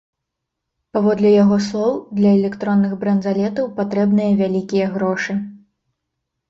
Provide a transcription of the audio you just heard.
Паводле яго слоў, для электронных бранзалетаў патрэбныя вялікія грошы.